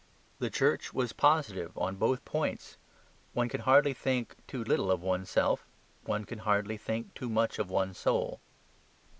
The Church was positive on both points. One can hardly think too little of one's self. One can hardly think too much of one's soul.